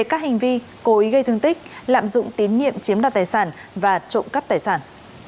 cô ý gây thương tích lạm dụng tín nhiệm chiếm đặt tài sản và trộm cắp tài sản